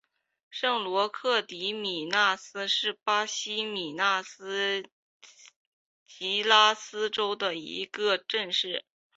圣罗克迪米纳斯是巴西米纳斯吉拉斯州的一个市镇。